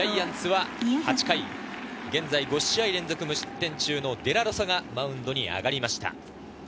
８回、現在５試合連続無失点中のデラロサがマウンドに上がりました。